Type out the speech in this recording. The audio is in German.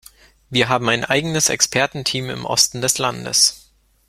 Wir haben ein eigenes Expertenteam im Osten des Landes.